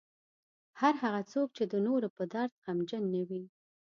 هر هغه څوک چې د نورو په درد غمجن نه وي.